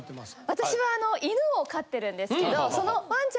私はあの犬を飼ってるんですけど。